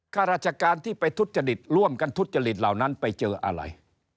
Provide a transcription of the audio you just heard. ข้าราชการที่ไปทุจริตร่วมกันทุจริตเหล่านั้นไปเจออะไร